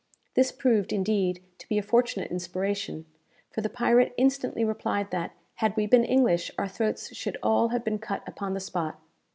This proved, indeed, to be a fortunate inspiration; for the pirate instantly replied that, had we been English, our throats should all have been cut upon the spot.